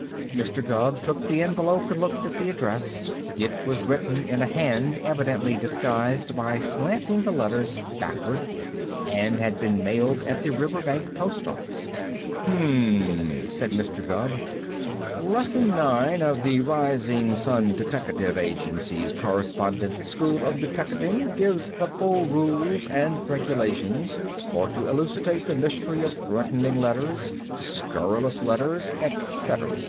Mr. Gubb took the envelope and looked at the address. It was written in a hand evidently disguised by slanting the letters backward, and had been mailed at the Riverbank post office. "Hum!" said Mr. Gubb. "Lesson Nine of the Rising Sun Deteckative Agency's Correspondence School of Deteckating gives the full rules and regulations for to elucidate the mystery of threatening letters, scurrilous letters, et cetery.